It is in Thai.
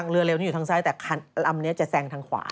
เรือเร็วที่อยู่ทางซ้ายแต่ลำนี้จะแซงทางขวา